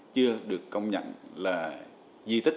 chưa được công nhận là di tích